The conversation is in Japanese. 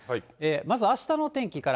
まずあしたのお天気から。